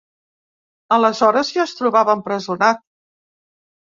Aleshores ja es trobava empresonat.